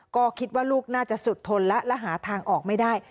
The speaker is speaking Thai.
ก็คิดว่าลูกน่าจะสุดทนและและหาทางออกไม่ได้